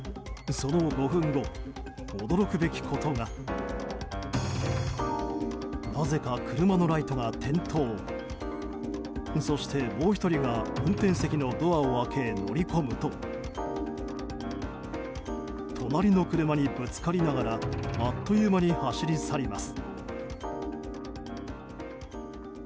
そして、もう１人が運転席のドアを開け乗り込むと隣の車にぶつかりながらあっという間に走り去ります。